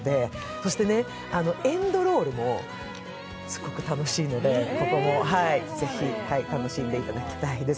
そしてね、エンドロールもすごく楽しいのでここもぜひ楽しんでいただきたいです。